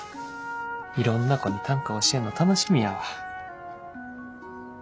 いろんな子に短歌教えんの楽しみやわ。